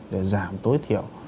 để giảm tối thiểu